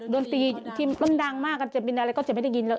ดนตรีที่มันดังมากก็จะไม่ได้ยิน